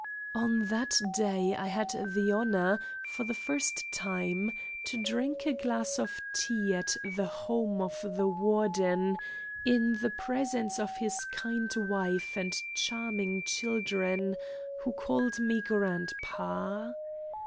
On that day I had the honour, for the first time, to drink a glass of tea at the home of the Warden, in the presence of his kind wife and charming children, who called me "Grandpa."